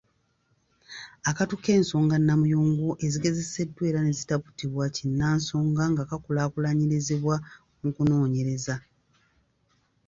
Akatu k’ensonga namuyungo ezigezeseddwa era ne zitapuputibwa kinnansonga nga kakulaakulanyirizibwa mu kunoonyereza.